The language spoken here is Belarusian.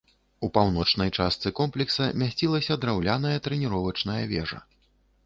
У паўночнай частцы комплекса мясцілася драўляная трэніровачная вежа.